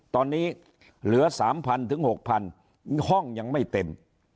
ตอนนี้เหลือ๓๐๐ถึง๖๐๐ห้องยังไม่เต็ม